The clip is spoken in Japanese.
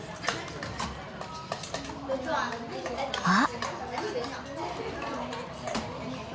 あっ！